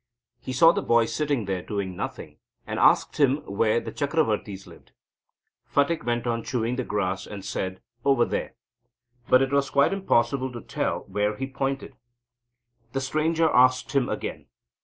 He saw the boy sitting there doing nothing, and asked him where the Chakravortis lived. Phatik went on chewing the grass, and said: "Over there," but it was quite impossible to tell where he pointed. The stranger asked him again.